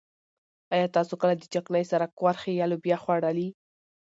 ايا تاسو کله د چکنۍ سره کورخې يا لوبيا خوړلي؟